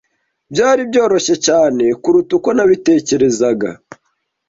Byari byoroshye cyane kuruta uko nabitekerezaga.